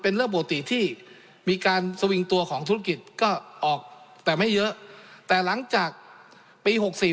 เรื่องปกติที่มีการสวิงตัวของธุรกิจก็ออกแต่ไม่เยอะแต่หลังจากปี๖๔